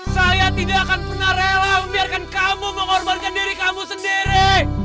saya tidak akan pernah rela membiarkan kamu mengorbankan diri kamu sendiri